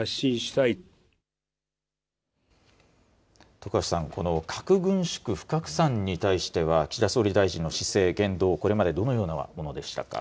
徳橋さん、核軍縮・不拡散に対しては岸田総理大臣の姿勢、言動、これまでどのようなものでしたか？